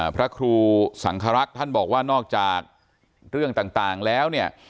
พระครูสังครักษ์ท่านบอกว่านอกจากเรื่องต่างแล้วเนี่ย